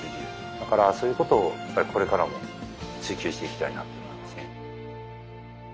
だからそういうことをやっぱりこれからも追求していきたいなと思いますね。